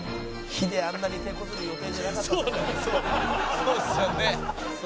「そうですよね」